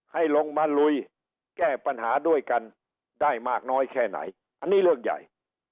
ให้ลงมาลุยแก้ปัญหาด้วยกันได้มากน้อยแค่ไหนอันนี้เรื่องใหญ่